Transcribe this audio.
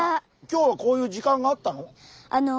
今日はこういう時間があったの？